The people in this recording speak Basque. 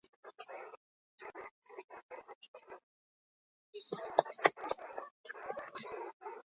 Diskurtsoa azaltzen duen subjektua da.